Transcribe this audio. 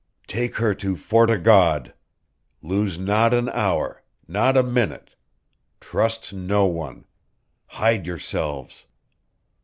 "Take her to Fort o' God. Lose not an hour not a minute. Trust no one. Hide yourselves.